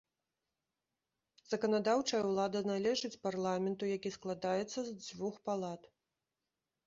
Заканадаўчая ўлада належыць парламенту, які складаецца з дзвюх палат.